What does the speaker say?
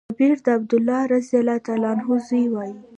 جابر د عبدالله رضي الله عنه زوی وايي :